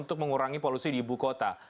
untuk mengurangi polusi di ibu kota